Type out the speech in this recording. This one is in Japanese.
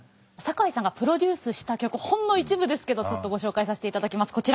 酒井さんがプロデュースした曲ほんの一部ですけどちょっとご紹介させていただきます。